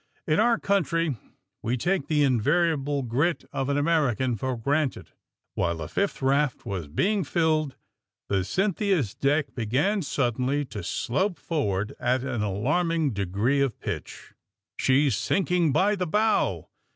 *^In our country we take the invariable grit of an American for granted." "While the fifth raft was being filled the Cyn thia *s '' deck began suddenly to slope forward at an alarming degree of pitch. AND THE SMUGGLERS 137 '^ She's sinking by the bow!''